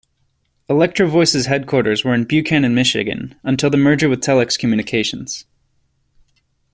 Electro-Voice's headquarters were in Buchanan, Michigan until the merger with Telex Communications.